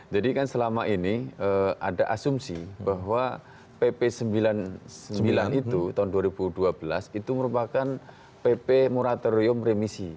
jadi kan selama ini ada asumsi bahwa pp sembilan puluh sembilan itu tahun dua ribu dua belas itu merupakan pp muraterium remisi